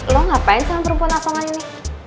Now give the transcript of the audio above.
lo ngapain sama perempuan asal kali ini